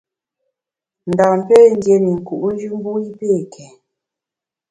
Ndam pé ndié ne nku’njù mbu i pé kèn.